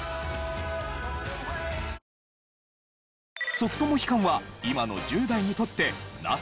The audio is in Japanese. ソフトモヒカンは今の１０代にとってナシ？